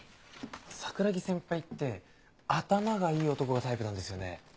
桜樹先輩って頭がいい男がタイプなんですよね？